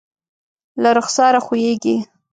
له رخسار ښویېږي